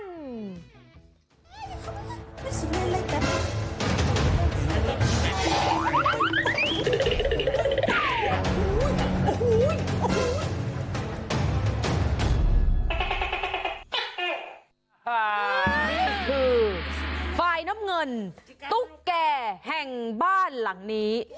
นี่คือฝ่ายน้ำเงินตุ๊กแก่แห่งบ้านหลังนี้